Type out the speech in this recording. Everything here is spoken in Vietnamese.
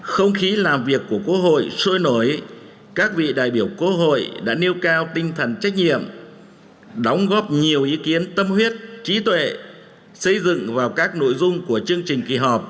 không khí làm việc của quốc hội sôi nổi các vị đại biểu quốc hội đã nêu cao tinh thần trách nhiệm đóng góp nhiều ý kiến tâm huyết trí tuệ xây dựng vào các nội dung của chương trình kỳ họp